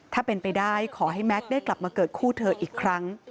ถ้าเป็นไปได้ขอให้แม็กซ์ได้กลับมาเกิดคู่เธออีกครั้ง